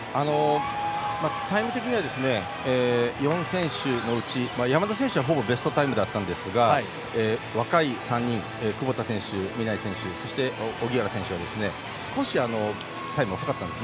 タイム的には４選手のうち山田選手はほぼベストタイムだったんですが若い３人、窪田選手、南井選手そして荻原選手は少しタイムが遅かったんです。